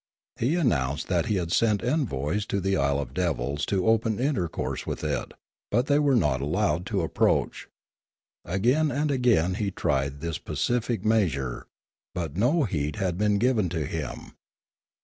He announced that he had sent envoys to the Isle of Devils to open intercourse with it, but they were not allowed to approach. Again and again had he tried this pacific measure, but no heed had been given to him.